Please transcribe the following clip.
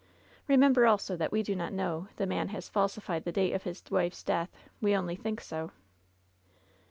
Remember also that we do not know the man has falsified the date of his wife's death. We only think so."